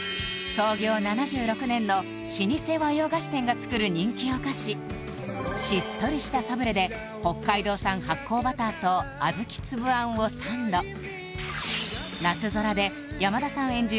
創業７６年の老舗和洋菓子店が作る人気お菓子しっとりしたサブレで北海道産発酵バターと小豆つぶあんをサンド「なつぞら」で山田さん演じる